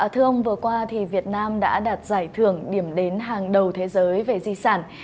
thưa ông vừa qua thì việt nam đã đạt giải thưởng điểm đến hàng đầu thế giới về di sản